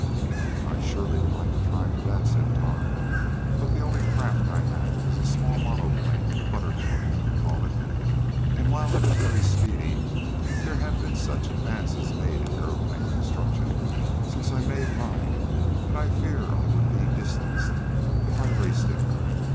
"I surely would like to try for that," said Tom, "but the only craft I have is a small monoplane, the Butterfly, I call it, and while it is very speedy, there have been such advances made in aeroplane construction since I made mine that I fear I would be distanced if I raced in her.